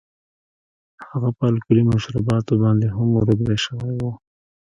هغه په الکولي مشروباتو باندې هم روږدی شوی و